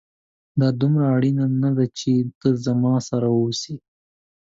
دا دومره اړينه نه ده چي ته زما سره واوسې